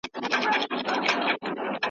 میرو ملک سي بلوخاني سي `